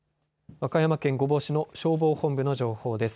和歌山県御坊市の消防本部の情報です。